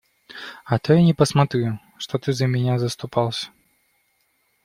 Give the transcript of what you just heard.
А то я не посмотрю, что ты за меня заступался.